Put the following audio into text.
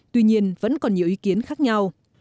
tuy nhiên vẫn còn nhiều ý kiến khác nhau